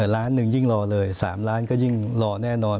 ล้านหนึ่งยิ่งรอเลย๓ล้านก็ยิ่งรอแน่นอน